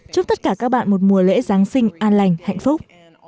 chúc tất cả các bạn một mùa lễ giáng sinh an lành hạnh phúc